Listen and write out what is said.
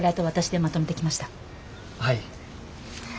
はい。